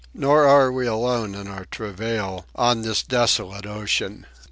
Nor are we alone in our travail on this desolate ocean.